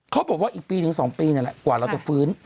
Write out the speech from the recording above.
เขาบอกว่าอีกปีถึง๒ปีนั่นแหละกว่าเราจะฟื้น